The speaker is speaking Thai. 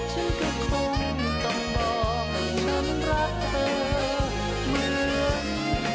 ว่าเธอก็คงต้องบอกฉันรักเธอเหมือนเคย